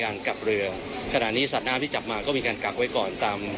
กับเรือขณะนี้สัตว์น้ำที่จับมาก็มีการกักไว้ก่อนตาม